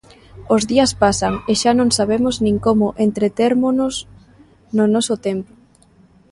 Os días pasan e xa non sabemos nin como entretérmonos no noso tempo.